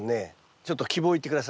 ちょっと希望を言って下さい。